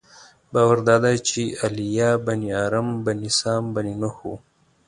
باور دادی چې ایلیا بن ارم بن سام بن نوح و.